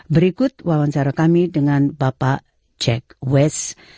berikut wawancara kami dengan bapak jack west